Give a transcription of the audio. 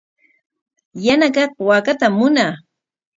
Yana kaq waakatam munaa.